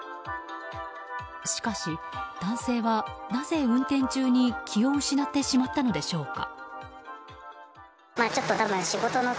しかし、男性はなぜ運転中に気を失ってしまったのでしょうか。